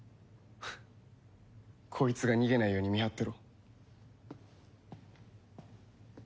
こいつが逃げないように見張ってろ。